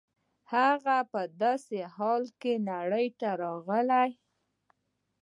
هغه په داسې حال کې نړۍ ته راغی.